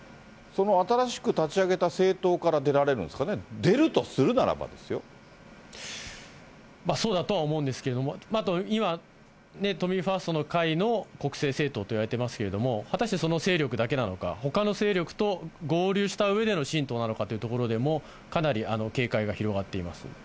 新しく立ち上げた政党から出られるんですかね、出るとするなそうだとは思うんですけれども、あと今、都民ファーストの会の国政政党といわれてますけれども、果たしてその勢力だけなのか、ほかの勢力と合流したうえでの新党なのかというところでも、かなり警戒が広がっています。